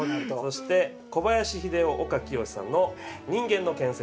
そして小林秀雄岡潔さんの『人間の建設』。